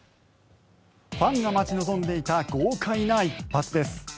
ファンが待ち望んでいた豪快な１発です。